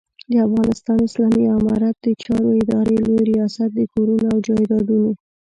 د افغانستان اسلامي امارت د چارو ادارې لوی رياست د کورونو او جایدادونو